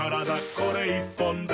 これ１本で」